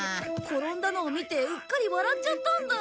転んだのを見てうっかり笑っちゃったんだ。